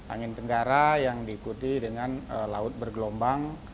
angin tenggara yang diikuti dengan laut bergelombang